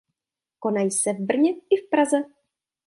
Konají se v Brně i v Praze.